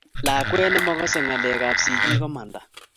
Lakwet nemagase ngalek kab sigiik komaanda